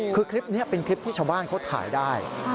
คือคลิปนี้เป็นคลิปที่ชาวบ้านเขาถ่ายได้